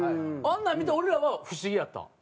あんなん見て俺らは不思議やった。